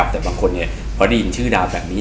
แต่บางคนพอได้ยินชื่อดาวแบบนี้